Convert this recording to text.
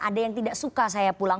ada yang tidak suka saya pulang